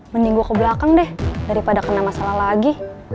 mending gue ke belakang deh daripada kena masalah lagi